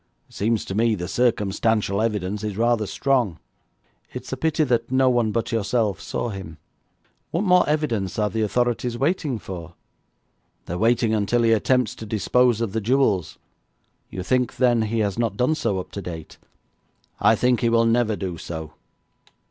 It seems to me the circumstantial evidence is rather strong.' 'It's a pity that no one but yourself saw him. What more evidence are the authorities waiting for?' 'They are waiting until he attempts to dispose of the jewels.' 'You think, then, he has not done so up to date?' 'I think he will never do so.'